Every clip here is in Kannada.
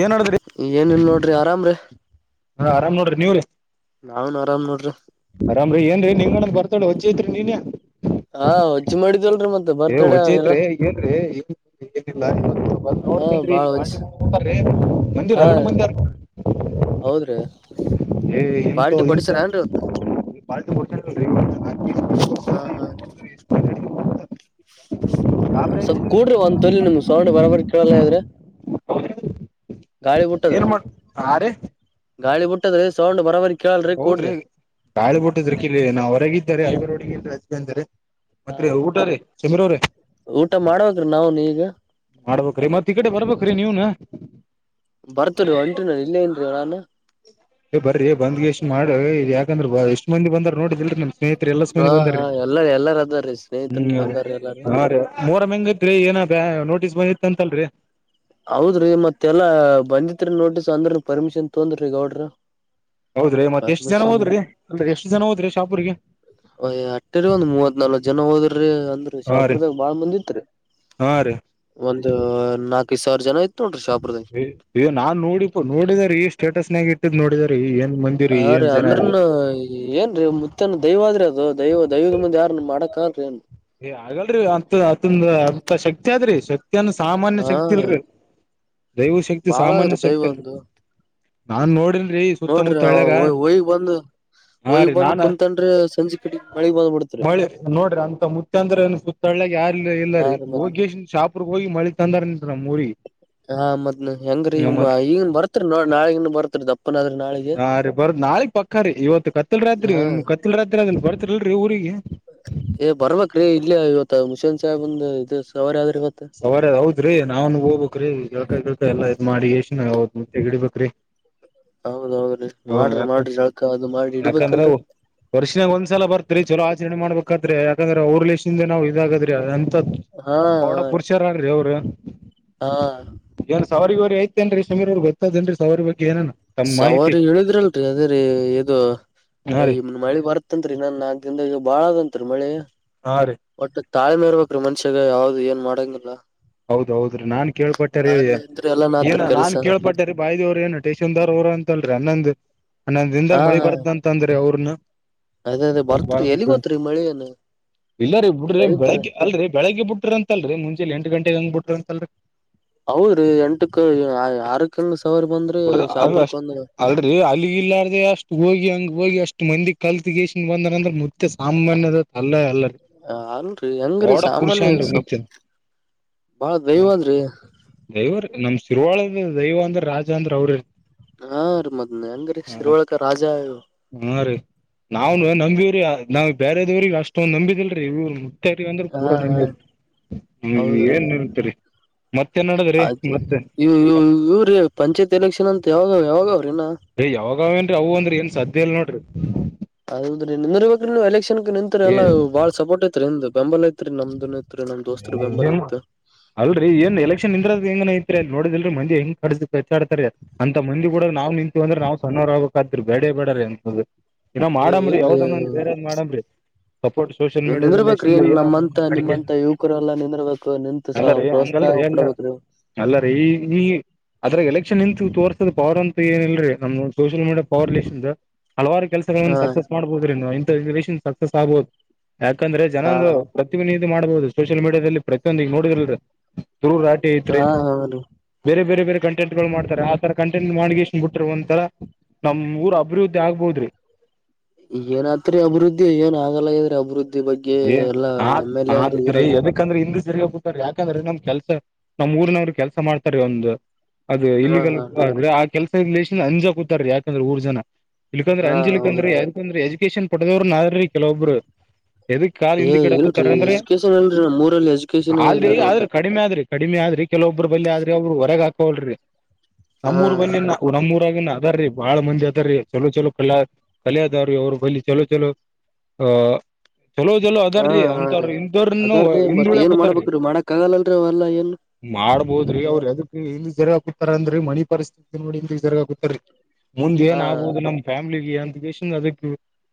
ಏನ್ ನಡದ್ರಿ ಏನಲ್ ನೋಡ್ರಿ ಆರಾಮ್ರಿ ಹಾ ಆರಾಮ್ ನೋಡ್ರಿ ನೀವ್ರರಿ ನಾವ್ನ್ ಆರಾಮ್ ನೋಡ್ರಿ ಅರಾಮ್ರರಿ ಏನ್ರಿ ನಿಂಗಣಗ್ ಬರ್ತಾಳ ಹೊಜ್ಐತ್ರಿ ನೀನ್ಯ ಹಾ ವಜ್ಜ್ ಮಾಡಿದ್ಲ್ರಿ ಮತ್ತೆ ಬರ್ತಡ ಅವೆಲ್ಲಾ ಎ ಏನಿಲ ಬಂದು ಹಾ ನೋಡ್ತೇನ್ ಬಾಳ್ ಇಲ್ಲಿ ವಜ್ಜ್ ಬಾಂಡಿಟ್ರೀ ಮಂಜಿ ರಗಡ ಮಂದ ಹೌದ್ರೀ ಏ ಎಂತ ಎಲ್ಂತ ಪಾರ್ಟಿ ಕೊಡಿಶನ ಅಲ್ರೀ ಹಾ ಹಾ ಸ್ವಲ್ಪ್ ಕೂಡ್ರಿ ಒಂದ್ ತೊಲಿ ನಮ ಸೋ ಬರಬರ್ ಕೇಳಲ್ಲ ಇದ್ರೆ ಗಾಳಿ ಏನ್ ಬಿಟ್ಟದ್ರಿ ಮಾಡ ಆರ ಗಾಳಿ ಬಿಟ್ಟದ ಸೌಂಡ್ ಬರಬರಿ ಕೇಳಲ್ರಿ ಹೌದ್ರಿ ಕೂಡ್ರಿ ಗಾಳಿ ಬಿಟ್ಟಿದ್ರ ಕಲ್ ನಾನ ಹೊರಗೆಡ್ಡೆ ಐವ ರೋಡಿಗೆ ಇಲ್ ಅಜ್ ಅಂದಾರೆ ಮತ್ರಿ ಊಟ ರೀ ಸಮೀರ ಅವ್ರೆ ಊಟ ಮಾಡ್ಬೇಕ್ರಿ ನಾವನ್ ಈಗ ಮಾಡ್ಬೇಕ್ರಿ ಮತ್ ಈ ಕಡೆ ಬರ್ಬೇಕ್ರಿ ನೀವನ ಬರ್ತ್ರಿೀ ಒಂಟ್ರಿ ನಾನನ್ ಇಲ್ಲ ಏನ್ರೀ ನಾನು ಏ ಬರ್ರರಿ ಬಂದ್ ಎಷ್ಟ್ ಮಾಡ ಯಾಕಂದ್ರ ಬ ಎಷ್ಟ್ ಮಂದಿ ಬಂದ್ರ ನೋಡಿದಲ್ರಿ ನಮ ಸ್ನೇಹತ್ರಿ ಎಲ್ಲ ಹಾ ಸ್ಮಂದಿ ಹಾ ಬಂದೀ ಎಲ್ಲಾರ ಎಲ್ಲಾರ ಅದಾರೀ ಸ್ನೇಹಿತರನ್ ಬಂದಾರ ಎಲ್ಲಾರ ಹ್ಮ ಮೂರ ಮಂಗತ್ರಿ ಏನ ದೇ ನೋಟಿಸ್ ಬಯಿತ್ ಅಂತಲ್ರರಿ ಹೌದ್ರೀ ಮತ್ತೆ ಎಲ್ಲಾ ಬಂದಿತ್ರಿ ನೋಟಿಸ್ ಅಂದ್ರ ಪರ್ಮಿಷನ್ ತೊಂದ್ರಿ ಗೌಡ್ರ ಹೌದ್ರಿ ಮತ್ತತ್ ಎಷ್ಟ್ ಜನ ಪರ್ಮಿಷನ್ ಹೋದ್ರಿ ಅ ಎಷ್ಟು ಜನ ಹೋದ್ರಿ ಶಾಪೂರಿಗೆ ಯ ಅಟ್ಟೇರಿ ಒಂದ್ ಮೂವತ್ ನಾಲ್ಕಕ್ ಜನ ಹೋದ್ರಿ ಅಂದ್ರ ಹಾ ರೀ ಶಾಪುರದಾಗ ಬಾಳ ಮಂದಿತ್ರಿ ಹಾ ರೀ ಒಂದು ನಾಕೈದು ಸಾವಿರ ಜನ ನೋಡ್ರಿ ಶಾಪುರ್ದಾಗ ಇ ನಾನ್ ನೋಡಿ ಪು ನೋಡಿದರೆ ಈ ಸ್ಟೇಟಸ್ನ್ಯಾಗ ಇಟ್ಟಿದ್ ನೋಡಿದರೆ ಏನ್ ಮಂದಿರಿ ಹಾ ಏನ್ ರೀ ಜನ ಅಂದ್ರನು ಏನ್ರಿ ಮುತ್ತನ ದೈವ ಆದ್ರಿ ಅದು ದೈವ ದೈವದ ಮುಂದೆ ಯಾರ ಮಾಡಕ್ ಕೇ ಹಾಗಗಲರಿ ಅಂತ ಅದಂದು ಅಂತ ಶಕ್ತಿ ಅ ಆದ್ರಿ ಶಕ್ತಿ ಶಕ್ತಿ ಅನ್ನು ಸಾಮಾನ್ಯ ಹಾ ಶಕ್ತಿ ಇಲ್ರರಿ ದೈವ ಶಕ್ತಿ ಬಾಳ ಸಾಮಾನ್ಯ ಆದ್ರಿ ದೈವ ಶಕ್ತಿ ಇಲ್ರರಿ ಒಂದು ನಾನ್ ನೋಡಲ್ರಿ ನೋಡ್ರಿ ಸುತ್ತಮುತ್ತ ಎಳ್ಳ್ಯಾಗ ಒಯ್ಗ್ ಬಂದ್ ಹಾ ಒಯ್ಗ್ ರೀ ಬಂದ್ ನಾಾನ ಕುಂತನ್ರಿ ಸಂಜೆ ಕಡೆ ಮಳಿಗ್ ಬಂದ್ ಬಿಡ್ತ್ರಿ ಮಿ ನೋಡ್ರಿ ಅಂತ ಮುತ್ಯಂದ್ರ ಸುತ್ತಾಳ್ಳ ಯಾರಿಲ್ಲ ಇಲ್ಲ ಹಾ ರೀ ಮತ್ ಹೋಗ ಶಾಪರ್ಗ್ ಹೋಗಿ ಮಳಿ ತಂದಾರಂ ನಮ್ಮ ಊರಿ ಹಾ ಮ್ನ್ ಹೆಂಗ್ರೀ ಈಗ ಈಗನ್ ಬರ್ತ್ರಿ ನ ನಾಳಿಗನ್ ಬರ್ತ್ರಿ ದಪ್ಪನ ಆದ್ರಿ ನಾಳಿಗೆ ಆಯ ಪಕ್ಕ ರೀ ಇವತ್ತು ಕತ್ತಲಲ್ ರಾತ್ರಿ ಹಾ ನಿಮ್ ಕತ್ಲ್ ರಾತ್ರಿ ಅದಲ್ ಬರ್ತರಲ್ರರಿ ಊರಿಗೆ ಏ ಬರ್ಬ್ರೀಕ ರಿ ಇಲ್ಲೇ ಇವತ್ತು ಮುಷನ್ ಸಾಹೇಬ್ಂದ ಇ ಸರಿ್ರೆ ಸವಾರೌದ್ರಿ ನಾವನ್ ಹೋಗ್ಬೇಕಕ್್ರೀಕಾಯ ಎಲ್ಲಾ ಇ್ ಮಾಡಿ ಎಷ್ಟ ಹೌೆ ಗಿಡಿ ಬಕ್ರಿ ಹೌದ್ೌದ್ರಿ ವಟ್ರ ಮಾಡ್ರಿ ಸ್ಳಕ ಅದು ಮಾಡ್ರಿ ಹ ಇಡಿಬೇಕಲ್ರರಿ ವರ್ಷಿನಾಗ ಒಂದ್ಸಲ ಬರ್ತ್ರಿ ಚಲ ಆಚರಣೆ ಮಾಡಬೇಕಾದ್ರೆ ಯಾಕಂದ್ರೆ ಅವರ್ ಲೇಶಿಂದ ನಾವವು ಇದಾಗಾದ್ರಿ ಅ ಹಾ ಹಾ ರೀ ೀ ಅವ್ರ ಹಾ ನ ಸಾವಿಗೆವ ಐೇನ್ರಿೀೀ ಅವ ಗೊತ್ತದೇನ್ರಿ ಸಾವಾರಿ ಸವಾರಿ ಹೇಳಿದ್ರಲ್ರಿ ಅದೇ್ರೀ ಇದು ಹಾ ರೀ ಇಮನ್ ಮಳಿ ಬರ್ತನ್ರಿ ನನ್ನ ಆಂದ ಬಾಳದಂರಿ ಮಳಿ ಹಾ ರೀ ತಾಳಿ ಮೇರ್ ಬಬೇಕ್ರೀ ಮನ್ಷ್ಯಾಗ ಯಾವ್ದ್ ಏನ್ ಮಾಡಂಗಿಲ್ಲ ಹೌದೌದ್ರೀ ನಾನ್ ಕೇಳ್ಪಟ್ಟಾರೀ ತಾಳ್ಮೆ ಇದ್ರೆ ಎಲ್ಲಾ ನಾತ್ರಿ ಏನ ಕೆಲ್ಸ ನಾನ್ ಕೇಳ್ಪಟ್ಟೇಾರಿ ಬಾಯದೇವ್ರ ಏನು ಟೇೇಶುಂದರ್ ಅವರು ಅಂತ ಲ್ರರಿ ಹನ್ನೊಂದ್ ಹನ್ನಂದ ಹಾ ದಿಂದದಾಗ ಮಳಿ ಹಾ ಬಾರದ ಅಂತ ಅಂದ್ರಿ ಅವ್ರನ್ನ ಅದೇ ಅದೇ ಬರ್ತ್ರಿ ಎಲ್ಲಿಗೋತ್ರಿ ಮಳಿ ನು ಇಲ್ಲರೀ ಬಿಡ್ರಿ ಬೆಳಗ್ಗೆ ಅಲ್ರಿ ಬೆಳಗ್ಗೆ ಬಿಡ್ರಿ ಅಂತಲ್ರರಿ ಮುಂಚೆಲಿ ಎಂಟು ಗಂಟೆ ಹಂಗ್ ಬಿಟ್ರಿ ಅಂತಲ್ರಿ ಹೌದ್ರೀ ಎಂಟಕ್ಕ ಆರಕ್ಕ ಹೆಂಗ ಅ ಅಲ್ ಅಲ್ಲಿಗಲ್ಲಾರ್ದೆ ಅಷ್ಟ ಹೋಗಿ ಹಂಗ ಹೋಗಿ ಅಷ್ಟು ಮಂದಿ ಕಲ್ತ್ ಗ ಬಂದಂದ್ರ ಮತ್ತೆ ಸಾಮಾನ್ಯದ ಅಲ್ಲ ಅಲ್ಲ ಅಲ್ರರಿ ಹೆಂಗ್ರೀ ಡ ಪುರುಷ ಸಾಮಾನ್ಯ ಸ ಮ ಬಾಳ ಹ ದೈವಾದ್ರಿ ದೈವ್ರ ನಮ್ ಶರ್ವಾಳದ ದೈವ ಅಂದ್ರೆ ರಾಜ ಅಂದ್ರೆ ಅವ್ರರ್ ಹಾ ರೀ ಮದ್ನ ಹೆಂಗ್ರೀ ಶರವಳ್ಕ ರಾಜ ಹಾ ರೀ ನಾವ್ನು ನಂಬಿವವ್ರಿ ನಾವ್ ಬೇರೆದವ್ರಿಗೆ ಅಷ್ಟೊಂದ ನಂಬಿದಲ್ರೀ ಇವರು ರಿ ಅಂದ್ರೆ ಹಾ ಪೂರ ನ ಹಾ ನೀರು ಹೌದ್ರಿ ಏನ್ ಇರ್ತರಿ ಮತ್ತೆನ್ ನೋಡದ್ರೀ ಆಯ್ತು ಮತ್ತೆ ಇವ್ ಇವ್ ಇವ್ರಿ ಪಂಚಾಯತ್ ಎಲೆಕ್ಷನ್ ಅಂತ ಯಾವಾಗ ಯಾವಾಗ ಅವ್ರಿನ ಅೀ ಯಾವಾಗಾವೇಏನ್ರಿ ಅವು ಅಂದ್ರಿ ಏನ್ ಸಾಧ್ಯ ಇಲ್ ನೋಡ್ರಿ ಹೌದ್ರಿ ನಿರಿಬೇಕ್ರ ನೀವು ಎಲೆಕ್ಷನ್ಕ್ ನಿಂತತ್ರಿ ಏ ಎಾ ಬಾಳ್ ಸಪೋರ್ಟ್ ಐತ್ರಿ ನಿಂದ ಬೆಂಬಲ ಐತ್ರಿ ನಮ್ದು ತ್ರಿ ನಮ್ ದೋಸ್ತ್ ಬೆಂಬಲ ಏನ್ ಐತ್ ಅಲ್ರರಿ ಏನ್ ಎಲೆಕ್ಷನ್ಂದ್ರದ ಹೆಂಗನ ಐತ್ರಿ ನೋಡಿದಲ್ರಿ ಮ ಹೆಂಗ್ ಕಡು ಕಚ್ಚಾಡ್ತಾರೆ ಅಂತಂದಿೂಡ ನಾವು ನಿಂತು ಅಂದ್ರೆ ನಾವ್ ಸಣ್ಣರ್ ಹೋಗಬೇಕಕ್ಾದ್ ಬೇ ಬೇಡಾರೆ ಎಂತ ಇನ್ನೋ ಏ ಮಾಡಂಬ್ರಿ ಇಲ್ರಿ ಯಾವ್ದಂದೊಂದ ಬೇರೆದ್ ಮಾಡಮ್ರಿ ಸಪೋರ್ಟ್ ಸೋಷಿಯಲ್ ನಿಂದಿರ್ಬೇಕ್ರಿ ಮೀಡಿಯಾದಲ್ಲಿ ಏನ ನಮ್ಮಂತ ನಿಮ್ಮಂತ ಯುವಕರೆಲ್ಲಾ ನಿಂದಿರ್ಬೇಕು ನಿಂತು ಸ ಪ್ರೋತ್ಸಾಹ ಕೊಡಬೇಕು ನೀವು ಅಲ್ಲಾರೀ ಈ ಈ ಅದ್ರ ಎಲೆಕ್ಷನ್ ನಿಂತತ್ ತೋರ್ಸದ ಪವರ್ ಅಂತ ಏನಲ್ರರಿ ನಮ್ದ ಸೋಷಿಯಲ್ ಮೀಡಿಯಾ ಪರ್ ಲೇಸ್ ಹಲವಾರು ಕೆಲಸ ಹಾ ಸಕ್ಸಸ್ ಮಾಡ್ಬಹದ್ರಿ ನೀವು ಇಂಥಷನ್ ಸಕ್ಸಸ್ ಆಗ್ಬಹುದು ಯಾಕಂದ್ರೆ ಹಾ ಜನಂದು ಪ್ರತ ಇದು ಮಾಡ್ಬಹುದು ಸೋಷಿಯಲ್ ಮೀಡಿಯಾದಲ್ಲಿ ಪ್ರತಿಯೊಂದ ಈಗ ನೋಡಿದರಲ್ರಿ ದೂ ರ ಆಾಟಿ ಐತ್ರಿೇ ಹಾ ಹೌದು ಬೇರೆ ಬೇರೆ ಬೇರೆ ಕಂಟೆಂಟ್ ಗಳು ಮಾಡತಾರೆ ಆತರ ಕಂಟೆಂಟ್ ಮಾಡ್ಗನ್ ಬಿಟ್ಟಿರುವಂತರ ನಮ್ ಊರ್ ಅಭಿವೃದ್ಧಿ ಆಗ್ಬೋದ್ರಿ [unintelligible] ಏನತ್ರರಿ ಅಭಿವೃದ್ಧಿ ಏನ್ ಆಗಲ್ಲ ಇದ್ರೆ ಅಭಿವೃದ್ಧಿ ಬಗ್ಗೆ ಏ ಎಲ್ಲಾ ಎಮ್ ಎಲ್ ಎ ಅನ್ರಿ ಆದ್ರೆ ಊರಾಗ ಯದಕಂದ್ರೆ ಹಿಂದ ಹೋಗಾರೆ ಯಾಕಂದ್ರೆ ನಮ್ ಕೆಲ್ಸ ನಮ್ಮ್ ಊರ್ನವ್ರು ಕೆಲಸ ಮಾಡ್ತಾರೆ ಒಂದು ಅದು ಹಾ ಹಾ ಇಲ್ಲಿಗಲ್ಲ್ರೆ ಆ ಕೆಲ್ಸದ ಲೇಶನ್ ಅಂಜಾ ಕೂತಾರ ಯಾಕಂದ್ರೆ ಊರ್ ಜನ ಇಲ್ಕ್ಂದ್ರ ಹಾ ಹೌದ್ರಿ ಅಂಜಿಕ್ಕಕಂದ್ರೀ ಯದಕಂದ್ರ ಎಜುಕೇಶನ್ ಪಡೆದವ್ರರು ನ್ರೀ ಕೆಲೊಬ್ರು ಎದಕ್ ಕಾ ಏ ಹಿಂದ ಕಿಡ ಕೂತಾರ ಇಲ್ರಿ ಅಂದ್ರೆ ಎಜುಕೇಶನ್ ಇಲ್ರಿ ನಮ್ಮೂರಲ್ಲಿ ಎಜುಕೇಶನ್ ಆದ್ರಿ ಇಲ್ಲರಿ ಒಟ್ಟ ಆದ್ರ ಕಡಿಮೆ ಆದ್ರಿ ಕಡಿಮೆ ಆದ್ರಿ ಕೆಲವೊಬ್ಬರು ಬಲ್ಲಿಿ ಆದ್ರೆ ಅವರು ಹೊರಗೆ ಹಾಕವಲ್ ರಿ ಹಾ ನಮ್ಮೂರ್ ಬ ನಮ್ಮೂರು ಅವ ಅದ ರೀ ಬಹಳ ಮಂದಿ ಅದಾರೀ ಚಲೋ ಚಲೋ ಕಲ ಕಲಿಯಾದಾರ ಅವ್ರರು ಬ ಚಲೋ ಚಲೋ ಹ ಚಲೋ ಚಲೋ ಹಾ ಅದಾರೀ ಹಾ ರೀ ಅಂತವ್ರ ಇಂದ್ರನು ಅದಾರ್ರೀ ಬಟ್ ಹಂದುಳ್ಯ ಏನ್ ಕೂತಾರಿ ಮಾಡ್ಬೇಕ್ರೀ ಮಾಡಕ್ ಆಗಲ್ಲಲ್ರರಿ ಅವೆಲ್ಲಾ ಏನ್ ಮಾಡ್ಬೋದ್ರಿ ಅವ್ರರು ಅದಕ್ಕೆ ಎಲ್ಲಿ ಜೆರೆ ಹಾಕತಾರ ಅಂದ್ರಿ ಮನಿ ಪರಿಸ್ಥಿತಿ ನೋಡಿರಗ ಗೊತ್ತೀ ಮುಂದ ಹಾ ಏನ್ ಆಗ್ಬುದು ನಮ್ ಫ್ಯಾಮಿಲಿಿಗೆ ಅಂತೇಶನ್ ಅದ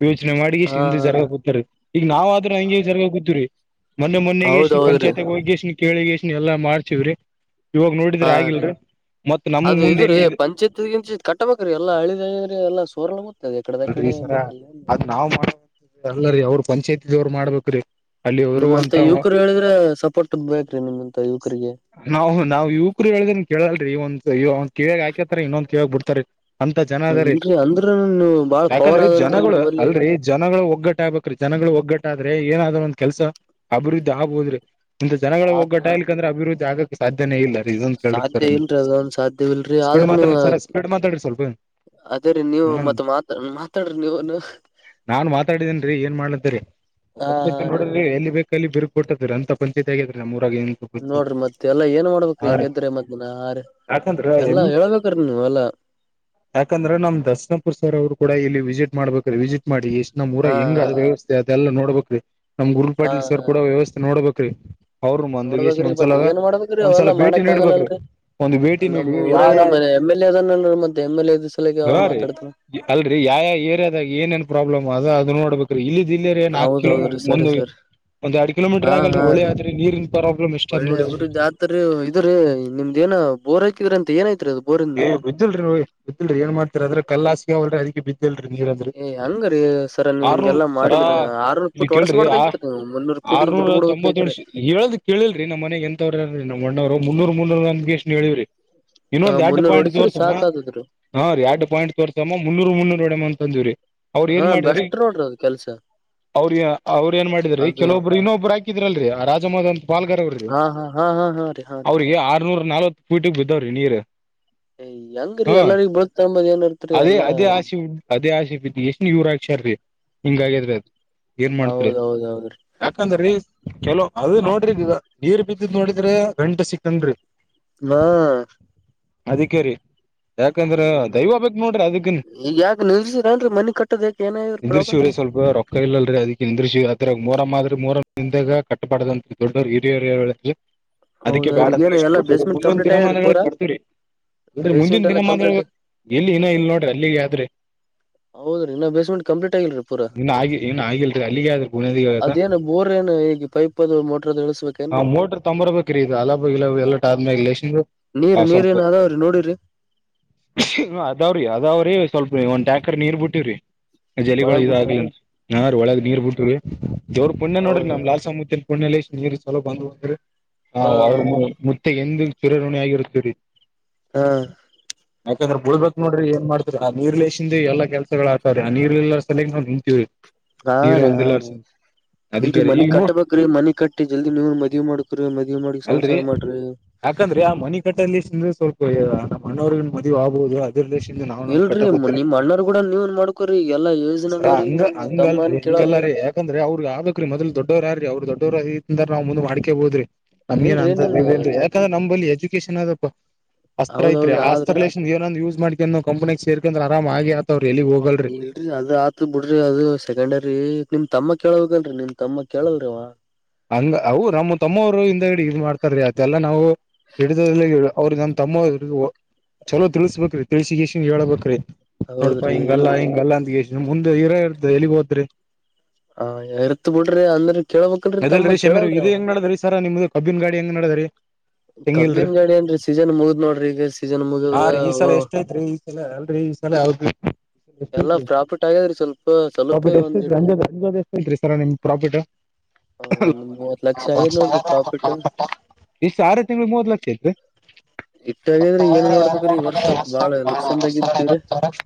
ಯೋಚನೆ ಮಾಡಿ ಹಾ ಹಿಂದ ಜರಗ ಗೊತ್ತತರಿ ಈಗ ನಾವ ಆದ್ರೂ ಹಂಗೆ ಜರಗ ಗತ್ತವ್ರರಿ ಮೊೆ ಮೊನ್ನೆಗೆ ಎಷ್ಟ್ಣ ಹೌದೌದ್ರಿ ಪಂಚಾಯತಿಗ್ ಹೋಗಿ ಎಷ್ಟ್ಣ ಕೇಳಿಗೆ ಎಷ್ಟ್ಣ ಎಲ್ಲಾ ಮಾಡ್ತೀವ್ರಿ ನೋಡಿದ್ರ ಹಾ ರೀ ಆಗಿಲ್ರೀ ಅದು ಇ್ರೀ ಪಂಚಾಯತ್ಗಿಂ ಕಟ್ಟಬೇಕ್ರೀ ಎಲ್ಲಾ ಹಳಿದ್ರರಿ ಎಲ್ಲಾ ಸೋರ್ಲ್ಲ ಮ ಅಲ್ರರಿ ಈ ಸರ ಅದ್ ನಾವ್ ಮಾಡ ಅಲ್ಲರ ಅವ್ರರು ಪಂಚಾಯತಿ ದವ್ರ ಮಾಡ್ಬೇಕ್ರೀ ನಿಮ್ಮ್ಂತ ಯುವಕರು ಹೇಳಿದ್ರೆ ಸಪೋರ್ಟ್ದ ಬೇಕ್ರೀ ನಿಮಂತ ಯುವಕರಿಗೆ ನಾವು ನಾವ್ ಯುವಕರು ಹೇಳಿದ್ರ ಕೇಳಲ್ರಿ ಇವಂದ ಒಂದ ಕಿವಳಗ್ ಹಾಕತರಿ ಇನ್ನೊಂದ ಕಳಗ್ ಬಿಡ್ತಾರಿ ಅಂತ ಜನ ಅದರಿ ಇಲ್ರರಿ ಅಂದ್ರ ನೀವು ಬಾಳ ಪವರ್ ಯಾಕಂದ್ರೆ ಆದಂತ್ರಿ ಜನಗಳು ನಿಮ್ಮಲ್ಲಿ ಅಲ್ರಿ ಜನಗಳು ಒಗ್ಗಟ್ಟ ಆಗ್ಬೇಕ್ರೀ ಜನಗಳು ಒಗ್ಗಟ್ಟ ಆದ್ರೆ ಏನಾದ್ೂ ಒಂದ ಕೆಲಸ ಅಭಿವೃದ್ಧಿ ಆಗ್ಬೋದ್ರಿ ಇಂತ ಜನಗಳ ಒಗ್ಗಟ ಇಲಿಕ ಅಂದ್ರೆ ಅಭಿವೃದ್ಧಿ ಆಗಕ್ ಸಾಧ್ಯನೇ ಇಲ್ಲ ರೀ ಇದೊಂದು ಕೇಳ್ರಿ ಸರ್ ಸಾಧ್ಯ ನೀವು. ಇಲ್ರಿರಿ ಅದೊಂದು ಸಾಧ್ಯವಲ್ರಿ ಸ್ಪೀಡ್ ಆದನು ಮಾತಾಡ್ರಿ ಸರ್ ಸ್ಪೀಡ್ ಮಾತಾಡ್ರಿ ಸ್ವಲ್ಪ ಅದೇ್ರೀ ನೀವು ಹ್ಮ ಮತ್ತ ಮಾತ್ ನಾನ್ ಮಾತಾಡಿದೇನ್ರಿ ಏನ್ ಮಾಡ್ಲತ್ತರಿ ಪಂಾಯತ್ ಹ ನೋಡ್ರಿ ಎಲ್ಲಿ ಬೇಕ ಅಲ್ಲಿ ಬಿರ್ಗ್ ಕೊಟ್ಟತದ ರ ಅಂತಂಚಾಯತ್ ಆಗಿದ್ರೀ ನಮ್ಮ್ರು ನೋಡ್ರಿ ಮತ್ತೆ ಎಲ್ಲಾ ಏನ್ ಮಾಡ್ಬೇಕ್ರಿ ಹಾ ರೀ ಹಂಗಗೆದ್ರೆ ಮದನ ಆ ರೀ ಯಾಕಂದ್ರ ಎಲ್ಲಾ ಹೇಳ್ಬೇಕ್ರಿ ನೀ ಎಲ್ಲಾ ಯಾಕಂದ್ರ ನಮ್ [unintelligible] ದಸನಪುರ್ ಸರ್ ಅವರು [inaudible] ಕೂಡ ಇಲ್ಲಿ ವಿಸಿಟ್ ಮಾಡ್ಬೇಕ್ರೀರಿ ವಿಸಿಟ್ ಮಾಡಿ ಎಷ್ಟ್ ನಮ್ಮೂರಗ ಹಾ ಹೆಂಗ ಅ್ ವ್ಯವಸ್ಥೆ ಅದೆಲ್ಲ ನೋಡ್ಬೇಕ್ರೀ ನಮ್ ಗುರು ಹಾ ಪಾಟೀಲ್ ಸರ್ ಕೂಡ ವ್ಯವಸ್ಥೆ ನೋಡ್ಬೇಕ್ರೀ ಅವರು ಮಂದಗಷಿ ನೋಡ್ಬೇಕ್ರಿ ಬಟ್ ಒಂದ್ಸಲ ಏನ್ ಮಾಡ್ಬೇಕ್ರಿ ಒಂದ್ಸಲ ಅವೆಲ್ಲ ಭೇಟಿ ಮಾಡಕ್ ನೀಡ್ಬೇಕರು ಆಗಲ್ಲಲ್ರರಿ ಒಂದ್ ಭೇಟಿ ನಮ್ ನೀಡಿ ಯ ಊರಾಗ ಯಾ ನಮ್ ಎಮ್ ಎಲ್ ಎ ಅದ ನ ಮತ್ತೆ ಎಮ್ ಎಲ್ ಎ ದ ಸಲ ಮಾತಾಡತ ಯಾವ ಏರಿಯಾದಾಗ ಏನೇನ್ ಪ್ರಾಬ್ಲಮ್ ಅದ ಅದು ನೋಡ್ಬೇಕ್ರಿ ಇಲ್ಲಿ ಿಲ್ಲೇ ರ ನಾಕಕ್ ಕಿಲೋಮೀ ಹೌದೌದ್ರಿ ಸರಿ ಒಂದು ಸರಿ ಒಂದ್ ಎರಡ್ ಕಿಲೋಮೀಟರ್ ಹಾ ಆಗಲ್ರಿ ಹಾ ಒಳೆ ರೀ ಆದ್ರಿ ನೀರಿನ ಪ್ರಾಬ್ಲಮ್ ಎಷ್ಟ ಅಾದ್ ಒಳ್ಳೆ ನೋಡಿದ್ರರು ಅಭಿವೃದ್ಧಿ ಆತ್ರಿ ಇದ್ರೀ ನಿಮ್ದ ಏನ ಬೋರ್ ಹಾಕಿದ್ರೆ ಅಂತೆ ಏನಾಯ್ತು ಏ ಬಿದ್ದಿಲ್ರಿ ಬಿದ್ದಿಲ್ರಿ ಏನ್ ಮಾಡ್ತೀ ಅದ್ರ ಕಲ್ಲಾಾಸಗಾವಲ್ರಿ ಅದಕ್ಕೆ ಬಿದ್ದ ಕಿ ನೀರ್ಂದ್ರ ಏ ಹಂಗ್ರೀ ಸರ ನೀವ್ ಆರ ನೊರು ಹಿಂಗೆಲ್ಲಾ ಸರ ಮಾಡಿದ್ರ ಆರ್ನೂರ್ ಇಲ್ಲಿ ಫುಟ್ ಕೇಳ್ರಿ ಆ ಹೊಡಸ್ಬಾರ್ದೈತ್ರಿ ನೀವು ಮುನ್ನೂರ್ ಫುಟಿಗೆ ಬಿಟ್ಟ ಆರ್ನೂರ ತೊಂಬತ್ತೇಳ ಬಿಡ್ಬೇಕೈತ್ರಿ ಹೇಳ್ದ್ ಕೇಳಿಲ್ರಿ ನಮ್ಮ ಮನೆಗ್ ಎಂತವ್ರ ನಮ್ಮ ಮಣ್ಣವರು ಮುನ್ನೂರು ಮುನ್ನೂರ ನಮಗೆ ಎಷ್ಟು ಹೇಳವ್ರರಿ ಇನ್ನೊಂದ್ ಎರಡ್ ರು ಹೊಡಿಸ್ರರು ಸಾಕಕ್ ಆ ತುತ್ತು ದಿದ್ರು ಹಾ ರಿ ಎರಡು ಪಾಯಿಂಟ್ ತೋರ್ಸಮ್ಮ ಮುನ್ನೂರ್ ಮುನ್ನೂರ್ ಹೊಡಮ್ಮ ಅಂತ ಅಂದಿವವ್ರಿ ಅವ್ರ ಹಾ ಏನ್ ಮಾಡಿದ್ರರಿ ಬೆಸ್ಟ್ ನೋಡ್ರಿ ಅದ್ ಕೆಲ್ಸ ಅವ್ರ ಅವ್ರ ಏನ್ ಮಾಡಿದ್ರಿ ಅದು ಕೆಲವೊಬ್ರು ಇನ್ನೊಬ್ರು ಹಾಕಿದ್ರಲ್ರರಿ ಆ ರಾಜಮೋದನ್ ಅಂತ ಪಾಲ್ಗಾರ್ ಅವ್ರಿ ಹಾ ಹಾ ಹಾ ಹಾ ಹಾ ರೀ ಹಾ ರೀ ಅವ್ರಿಗೆ ಆರ್ನೂರ ನಲ್ವತ್ ಫೀಟ್ ಗೆ ಬಿದ್ದಾವ್ರಿ ನೀರು ಏ ಹೆಂಗ್ರೀ ಎಲ್ಲರಿಗ ಬಳತಂಬದ್ ಏನ್ ಅರ್ಥ ರಿ ಎಲ್ಲಾ ಎಷ್ಟ್ನ್ [unintelligible] ಇವರಕ್ಷಾರ ಹಿಂಗಗಿದ್ರೆ ಅದು ಏನ್ ಮಾಡ್ತ್ರಿ ಹೌದೌದ ಹೌದ್ರಿ ಯಾಕಂದ್ರ ರೀ ಚಲೋ ಅದ ನೋಡ್ರಿ ಈಗ ನೀರ್ ಬಿದ್ದಿದ್ ನೋಡಿದ್ರೆ [unintelligible] ಗಂಟೆ ಸಿಕ್ಕನ್್ರಿ ಹಾ [inaudible] ಆದಿಕ್ಕೆ ರಿ ಯಾಕಂದ್ರ ದೈವ ಬಕ್ ನೋಡ್ರಿ ಅದಕ್ಕಿನ್ ಈಗ ಯಾಕ ನಿಲ್ಸಿರೇನ್ರಿ ಮನಿ ಕಟ್ಟದ ಯಾಕ ಏನಾಗ್ಯಾದ್ರಿ [unintelligible] ಪ್ರಾಬ್ಲಮ್ ಇಂದ್ರಶಿವರೇ ಸ್ವಲ್ಪ ರೊಕ್ಕ ಇಲ್ಲಲ್ರಿ ಅದಿಕೆ [unintelligible] ನಿಂದರಶಿವಿ [unintelligible] ಇದ್ರ ಮೂರ ಮಾ ಮೂೋರಿಂದಾಗ ಕಟ್ಟಬಾಡದಂತ ದೊಡ್ಡ ಹಿರಿಯ ಯಲ್ಲಿ ಅದಕ್ಕೆ ಬೇಡ ಹೌದ್ರಿ ಏನ್ ಎಲ್ಲಾ [unintelligible] ಬೇಸ್ಮೆಂಟ್ ಮುಂದೊಂದು ಕಂಪ್ಲೀಟ್ ಆಗ್ಯಾದ್ರಿ ದಿನಮಾನಗಳ [unintelligible] ಪೂರಾ ಕರ್ತೀ್ರರಿ ಅ್ರ [unintelligible] ಮುಂದಿನ ಬೇಸ್ಮೆಂಟ್ ದಿನ ಎಲ್ಲ ಮಾ ಕಂಪ್ಲೀಟ್ [inaudible] ಎಲ್ಲಿ ಏನ ಇಲ್ ನೋಡ್ರಿ ಅಲ್ಲಿಗೆ ಆದ್ರಿ ಹೌದ್ರಿ ಇನ್ನ ಬೇಸ್ಮೆಂಟ್ ಕಂಪ್ಲೀಟ್ ಆಗಿಲ್ರಿ ಪೂರಾ ಇನ್ನ ಆಗಿ ಇನ್ ಆಗಿಲ್ರಿ ಅಲ್ಲಿಗೆ ಆದ್ರಿ ಬುನಿಯಾದಿಗೆ ಆಗದ ಅದೇನ್ ಬೋರ್ ಏನ್ ಈಗ ಪೈಪ್ ಅದು ಮೋಟ್ರ ಅದು ಆ ಇಳಸ್ಬೇಕೇಏನ್ರಿ ಮೋಟ್ರ ತಂಬರ್ಬೇಕ್ರಿ ಇದು ಅಲಬ ಗಿಲಬ ಎಲ್ಲ ಆದ್ಮ್ಯಾಗ ಲೇಶಿಂದ ನೀರ್ ಆ ನೀರ ಸ್ವಲ್ಪ ಏನ ಅದಾವ್ ಅದಾವ್ರಿ ಅದಾವ್ರಿ ಸ್ವಲ್ಪ ಒಂದ್ ಟ್ಯಾಂಕರ್ ನೀರ್ ಬಿಟ್ಟವ್ರಿ ಜಲಿಗಳು ಒಳಗ್ ಬಿಟ್ರಿ ಇದಾಗಗ್ಲ [unintelligible] ನಾ ರೀ ಒಳಗ್ ನೀರ್ ಬಿಟ್ರೀ ದೇವರು ಪುಣ್ಯ ನೋಡ್ರಿ ನಮ್ ಹೌದೌದು ಲಾಲ್ಸ [inaudible] [unintelligible] ಲೇಶ್ ನೀರು ಸಲೋ ಬಂದ್ಂದ್ರೆ ಹಾ ಅವ್ರ ಮುತ್ತೆ ಎ [inaudible] ಚಿರಋಣಿ ಆಗಿರುತ್ತರಿ ಹಾ ಯಾಕಂದ್ರೆ ಬಳ್ಬೇಕಕ್ ಆಯ್ತಾಯ್ತು ನಡ್ರಿ ಏನ್ ಮಾಡ್ತೀರಿ ಆ ನೀರ್ಲೇಶಿಂದ ಎಲ್ಲಾ ಕೆಲ್ಸಗಳು ಅಥವರಿ ಆ ನೀರಿಲ್ಲ [unintelligible] ಸಲೇಗ್ ನಾವು ನಿಂತಿವ್ರಿ ಹಾ ರೀ ಹಾ ರೀ ಇಲ್ರಿ ಅದಕ್ಕೆರಿ ಮನಿ ಈಗ ನೋ ಕಟ್ಟಬೇಕ್ರಿ ಮನಿ ಕಟ್ಟಿ ಜಲ್ದಿ ನೀವ ಮದ್ವಿ ಮಾಡ್ಕ್ರಿ ಮದ್ವಿ ಮಾಡಿ ಅಲ್ರರಿ ಸಂಸಾರ ಮಾಡ್ರಿ ಯಾಕಂದ್ರೆ ಆ ಮನಿ ಕಟ್ಟಲ್ಲಿ್ರೆ ಸ್ವಲ್ಪ ನಮ್ಮ ಅಣೋವ್ರಗ ಮದುವೆ ಆಗ್ಬಹುದು [unintelligible] ದೇಶ ನಾ ಇಲ್ರರಿ ಕಟ್ಟತಂಗ ನಿಮ್ ಅಣ್ಣಾರ್ ಕೂಡ ನೀವ್ ಮಾಡ್ಕೋರಿ ಎಲ್ಲಾ ಯೋಜನೆದವ್ರಿ ನಿಮ್ ಹಂಗಲ್ ತಮ್ಮನ್ ಆಂಗಲ್ ಕೇಳಲ್ರಿ ರೀ ಯಾಕಂದ್ರೆ್ ಅವ್ರಿಗೆ ಆಗ್ಬೇಕ್ರಿ ಮೊದ್ಲು ದೊಡ್ಡರ್ರೀ ಅವ್ರ ದಡ್ಡರ್ರ [unintelligible] ಅಂದ [unintelligible] ನಾವ್ ಮುಂದ ಮಾಡ್ಕಬೋದ್ರಿ ನಮಗಏನ್ ಅ ಇಲ್ರರಿ ನಿಮ್ [unintelligible] ಯಾಕಂದ್ರೆ ನಲ್ಲಿ ಎಜುಕೇಶನ್ ಅದ ಅಸ್ತ್ರ ಐತ್ರಿ ಹೌದೌದ್ರಿ ಆದ್ರಿ ಆಸ್ತ್ರನ್ ಏನೋ ಒಂದು ಯೂಸ್ ಮಾಡ್ೀ ಕಂನಿ ಸೇಕೇಂದ್ರ ಆರಾಮ ಆಗೇ ಅಥವ್ರಿ [inaudible] ಇಲ್ರರಿ ಅದ ಆತ ಬಿಡ್ರಿ ಅದು ಸೆಕೆಂಡರಿ ನಿಮ್ ತಮ್ಮ [inaudible] ಕ್ಕ ಕೇಳಬೇಕಲ್ಲ ನಿಮ್ ತಮ್ಮ ಕೆಳಾಲ್ರಿ ಅವ ಹಂಗ ಅವು [unintelligible] ನಮ್ಮ ತಮ್ಮವರು ಇಂದ ಇ ಮಾಡ್ತಾರ್ರೀ ಅದೆಲ್ಲಾ ನಾವು [unintelligible] ಹಿಡಿದದ ಅವ್ರರು ನಮ್ಮ ತಮ್ಮ ಚಲೋ ತಿಳ್ಸಸ್ಬೇಕ್ರೀ ತಿಳ್ಸಿ ಗೆಲ್ಸಿ ಹೇಳಳ್ಬೇಕಕ್ರಿ ನೋಡ್ಪಾ ಹೌದ್ರಿ ಹಿಂಗಲ್ಲ ಇಲ್ರಿ ಹಿಂಗಲ್ಲ ಅಂತ ಎಷ್ಟ ಮುಂದೆ ಇರಾ [inaudible] ಇ್ದ ಎಲ್ಲಿಗ್ ಹೋದ್ರಿ ಹ ಇರತ್ ಬಿಡ್ರಿ ಅಂದ್ರೆ ಕೇಳ್ಬಕ್ ಅದಲ್ ರೀ ಶಮೀರು ಇದು ಹೆಂಗ ನಡದ್ರೀ ಸರ ನಿಮ್ದು ಕಬ್ಬೀನ್ ಗಾಡಿ ಹೆಂಗ ನಡದ್ರೀ ತೆಂಗಿಲ್ರಿ ಕಬ್ಬಿನ ಗಾಡಿ ಏನ್ರಿ ಸೀಸನ್ ಮುಗ್ದ್ ನೋಡ್ರಿ ಈಗ ಸೀಸನ್ ಹಾ ಮುಗದ ರೀ ಈ ಸಲ ಎಷ್ಟ ಐತ್ರಿ ಈಲ ಅಲ್ ಈ ಹೌದು ಎಷ್ಟ ಎಲ್ಲಾ ತ್ರಿ ಪ್ರಾಫಿಟ್ ಆಗ್ಯದ್ರಿ ಸ್ವಲ್ಪ ಸ್ವಲ್ಪೇ ಪ್ರಾಫಿಟ್ ಎಷ್ಟ ಐತ್ರಿ ಒಂದಿಟ ಅ ಅಜ್ ಎಷ್ಟ ಐತ್ ರೀ ಸರ್ ನಿಮ್ ಪ್ರಾಫಿಟ್ [inaudible] ಆ, [unintelligible] ಒಂದ್ ಮೂವತ್ ಲಕ್ಷ ಆಗ್ಯದ್ ನೋಡ್ರಿ ಪ್ರಾಫಿಟ್ ಇಷ್ಟ ಸಾವಿರ ಆರೆ ತಿಂಳ ಮೂವತ್ ಲಕ್ಷ ಐತ್ರಿ ಇಟ್ಟ [inaudible] ಆಗ್ಯದ್ರಿ ಏನ್ ಮಾಡ್ಬೇಕ್ರಿ ಈ ವರ್ಷ ಬಾಳ ಲುಕ್ಸನ್ದಾಗಿದ್ದೀವ್ರಿ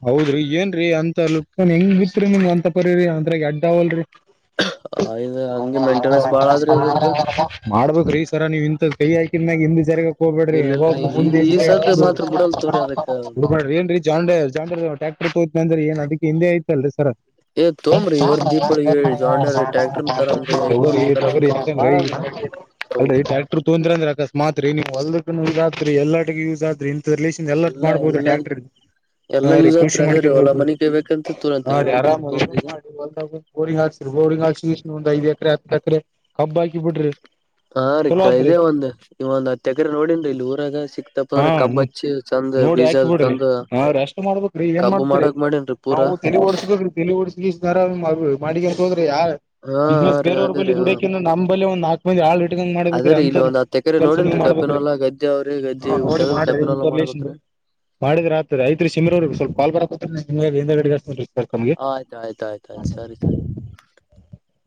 ಹೌದ್ರಿ ಏನ್ರೀ ಅ [unintelligible] ಎಂತನ್ ಹೆಂಗ್ ಬಿತ್ರಿ ನಿಮ್ ಅಂತ ಪರಿ ಅಂದ್ರೆ ಅಡ್ಡಾವಲ್ರಿ [inaudible] ಆಯದು ಹಂಗ ಮಾಡಬೇಕರಿ ನೀವ್ ಇಂತಥ ಕೈ ಹಾಕಿದ ಮ್ಯಾಗ ಹಿಂದ್ ಜಾರಿಗಕ್ ಹೋಗ್ಬೇಡ್ರಿ [unintelligible] ಇಲ್ಲ್ರಿ ಈ ಮುಂದ ಈ ಸದ್ ಮಾತ್ರ ಬಿಡಲ್ ತೋರಿ ಹ ಅದಕ್ಕ ಮಾಡಿ ಏನ್ೀ ಜಾಂಡ ಜಂಡ ಟ್ಯಾಕ್ಟರ್ ತೋ ಇಂದ್ರೆ ಏನ್ ಅದಕ್ಕೆ ಹಿಂದೆ ಐತಲ್ರಿ ಸರ ಏ ತೊಂಬ್ರಿ ಇವರ್ ದೀಪಾವಳಿಗೆ ಜಾಂಡರ್ ಟ್ಯಾಕ್ಟರ್ ತರಮ್ರಿ ಐಫೋನ್ ತರಮ್ ರಿ ಯಾಕಂದ್ರ ಬಾಳವ್ರಿ [unintelligible] ಅವು ಅಲ್ ಟ್ಯಾಕ್ಟರ್ ತೊಂದ್ರ ಅಂದ್ರ ಅಕ ಮಾತ್ರಿ ನೀವು ಹೊಲ್ದಕ್ಕೂ ಯೂಸ್ ಆದ್ರಿ ಎಲ್ಲಾಟಗ ಯೂಸ್ ಆದ್ರಿ ಇಂತ ರಿಲೇಶನ್ ಎಲ್ಲಾ ಮಾಡ್ಬಹುದ ಟ್ಯಾಕ್ಟರ್ ಹಾ ಎಲ್ಲಾ ರೀ ಯೂಸ್ ಆತ್ರಿ ಕೃಷಿ ಅದೇ ರೀ ಮಾಡ್ಕೊಂಡೊಂಡ ಹೊಲ ಹೋಗದು ಮನಿ ಕೈಬೇಕಂತ ತೂರಂತ ಹಾ ರೀ ಹೊಂಟನ್ರಿ ಆರಾಮ ತೊಂದ ಈಗ ಗೋರಿ ಹಾಕ್ ಬೋಡಿಂಗ ಒಐದ್ ಎಕರೆ ಹತ್ತು ಎಕರೆ ಕಬ್ ಹಾಕಿ ಬಿಡ್ರಿ ಹಾ ಚಲೋ ರಿಕ್ಕಾ ಆತ್ರಿ ಇದೇ ಒಂದ ಇವ ಒಂದ್ ತಕ್ರ ನೋಡನ್ ಇಲ್ಲಿ ಊರಾಗ ಸಿಕ್ತಪ್ಪ ಅಂದ್ರ ಕಬ್ಬಚ್ಚಿ ಚಂದ ಡಿ ಬೀಜ ಹಾಕಿ ಬಿಡ್ರಿ ತಂದು ಹ ಅಷ್ಟ್ ಮಾಡ್ಬೇಕ್ರಿ ಏನ್ ಕಬ್ಬು ಮಾಡ್ತ್ರಿ ಮಾಡಕ್ ಮಾಡೇನ್ರಿ ನಾವು ಪೂರಾ ಓಡ್ಸ್ಬೇಕ್ರಿ ಮಾಡಂತ ಹೋರೆ ಯ ಹಾ ಹಾ ಬಿಸ್ನೆಸ್ ರೀ ಬೇರವ್ರ ಬ ಅದೇ ರೀ ಹಾ ದುಡಕಂದ್ರ ನ ಬಲ್ಲಿ ಒಂದು ನಾಲ್ಕ ಮಂದ ಹಾಳ ಂಗ ಮಾಡ್ಬೇಕ್ರಿ ಅದೇರೀ ಅಂತ ಇಲ್ಲಿ ಒಂದ್ ಹತ್ತ ಎಕರೆ ಕೆಲ್ಸ ನೀಂಗ್ ನೋಡೇನ್ರಿ ಕಬ್ಬಿನ ಮಾಡ್ಬೇಕ್ರಿ ಹೊಲ ಗದ್ದೆ ಅವ್ರಿ ಗದ್ದೆ ಹ ನೋಡಿ ತೆಗದ ಕಬ್ಬಿನ ಹೊಲ ಮಾಡ್ರಿಲ ಮಾಡ್ಬೇಕ್ರೀ. ಮಾಡಿದ್ರ ರತ್ರಿ ಐತ್ ಶಿಮ್ರ್ರರಿಗೆ ಸ್ವಲ್ಪ ಪಾಲ್ರ ವೇಂದ ಗಡ ಸರ್ ತಮ್ಗೆ ಆಯ್ತ ಆಯ್ತ ಆಯ್ತ ಸರಿ ಸರಿ ಹ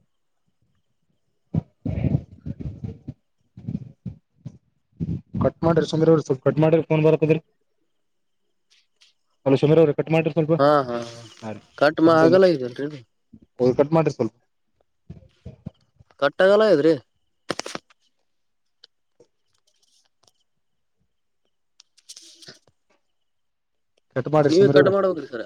ಕಟ್ ಮಾಡ್ರಿ ಸಂದ್ರ್ರ ಸ್ವಲ್ ಕಟ್ ಮಾಡ್ರೊಂಡ್ ಬರತ್ತದ್ರಿ ಅ ಸಂದ್ರ್ರ ಟಮಾಟರ್ ಸ್ವಲ್ಪ ಹಾ ಹಾ ಹಾ ರೀ ಕಟ್ ಮಾ ಸಬ್ ಆಗಲ್ಲ ಇದಲ್ರರಿ ಅವ ಕಟ್ ಮಾಡಟ್ರೆ ಸ್ವಲ್ಪ ಕಟ್ಟಾಗಲ್ಲ ಇದ್ರಿ ಕಟ್ ಮಾಡ್ರಿ ನೀವೇ ಸಮೀರ್ ಅವ್ರೆ ಕಟ್ ಮಾಡ ಹ್ರಿ ಸರ